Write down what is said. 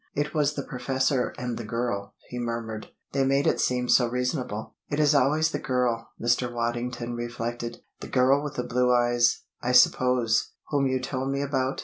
"It was the professor and the girl," he murmured. "They made it seem so reasonable." "It is always the girl," Mr. Waddington reflected. "The girl with the blue eyes, I suppose, whom you told me about?